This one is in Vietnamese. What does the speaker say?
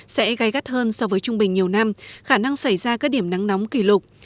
sẽ gai gắt hơn so với trung bình nhiều năm khả năng xảy ra các điểm nắng nóng kỷ lục